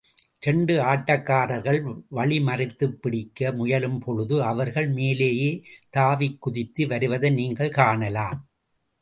இரண்டு ஆட்டக்காரர்கள் வழிமறித்துப் பிடிக்க முயலும்பொழுது அவர்கள் மேலேயே தாவிக்குதித்து வருவதை நீங்கள் காணலாம்.